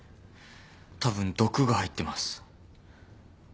たぶん毒が入ってます。